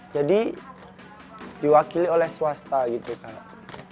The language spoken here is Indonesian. jadi diwakili oleh swasta gitu kak